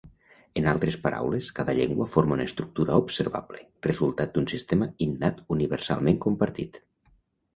En Altres Paraules, cada llengua forma una estructura observable, resultat d'un sistema innat universalment compartit.